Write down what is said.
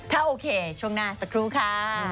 ถ้าโอเคช่วงหน้าสักครู่ค่ะ